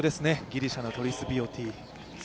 ギリシャのトリスビオティ。